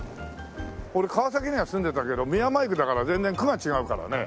俺川崎には住んでたけど宮前区だから全然区が違うからね。